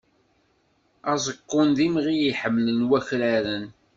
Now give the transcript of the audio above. Aẓekkun d imɣi i ḥemmlen wakraren.